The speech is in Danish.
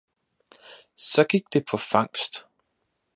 Så gik det på fangst!